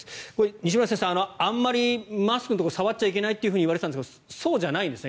西村先生、あまりマスクのところ触っちゃいけないといわれていたんですがそうじゃないんですね。